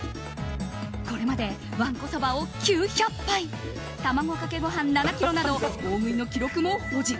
これまで、わんこそばを９００杯卵かけご飯７ｋｇなど大食いの記録も保持。